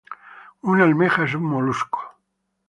Una almeja es un molusco.